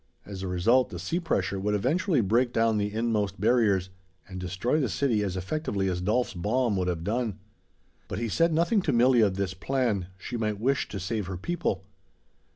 As a result, the sea pressure would eventually break down the inmost barriers, and destroy the city as effectively as Dolf's bomb would have done. But he said nothing to Milli of this plan: she might wish to save her people.